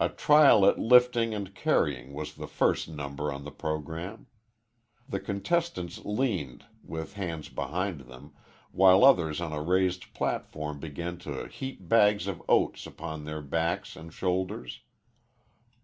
A trial at lifting and carrying was the first number on the programme. The contestants leaned, with hands behind them, while others on a raised platform began to heap bags of oats upon their backs and shoulders.